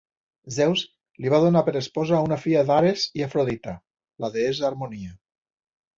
Zeus li va donar per esposa una filla d'Ares i Afrodita, la deessa Harmonia.